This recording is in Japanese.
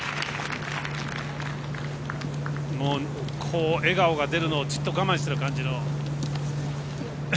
もう笑顔が出るのをじっと我慢してる感じの。